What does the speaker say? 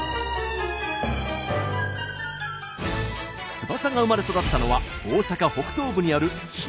翼が生まれ育ったのは大阪北東部にある枚方市。